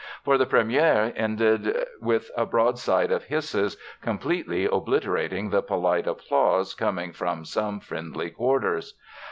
For the première ended with a broadside of hisses, completely obliterating the polite applause coming from some friendly quarters.